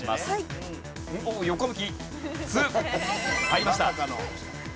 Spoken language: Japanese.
入りました。